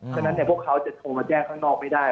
ฉะนั้นพวกเขาจะโทรมาแจ้งข้างนอกไม่ได้